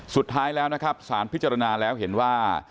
สุดท้ายนานก็สารพิจารณาแล้วเพื่อเห็นว่า